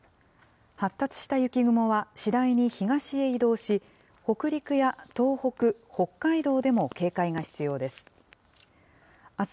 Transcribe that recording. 発達した雪雲は次第に東へ移動し、北陸や東北、北海道でも警戒が必要です。